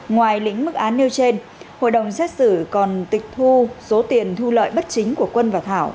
ngoài lĩnh mức án nêu trên hội đồng xét xử còn tịch thu số tiền thu lợi bất chính của quân và thảo